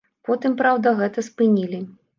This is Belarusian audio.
Потым, праўда, гэта спынілі.